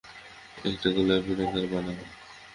এটা গোলাপী রঙের বানাও।